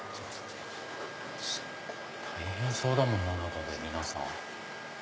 すごい大変そうだもんな中の皆さん。